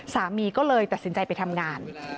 สามีก็เลยตัดสินใจไปทำงาน